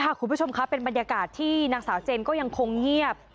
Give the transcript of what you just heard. คุณผู้ชมคะเป็นบรรยากาศที่นางสาวเจนก็ยังคงเงียบ